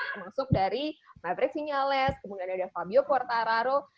termasuk dari maverick sinyales kemudian ada fabio quartararo